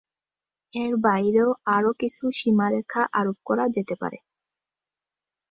এর বাইরেও আরো কিছু সীমারেখা আরোপ করা যেতে পারে।